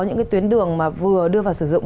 những cái tuyến đường mà vừa đưa vào sử dụng